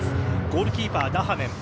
ゴールキーパー・ダハメン。